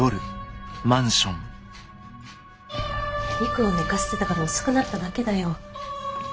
璃久を寝かせてたから遅くなっただけだよ。